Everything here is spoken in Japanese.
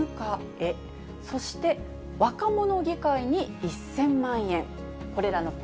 そして若者議会に１０００万円。